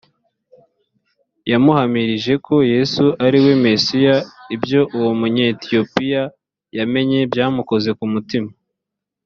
yamuhamirije ko yesu ari we mesiya ibyo uwo munyetiyopiya yamenye byamukoze ku mutima